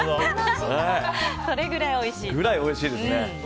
それぐらいおいしいですね。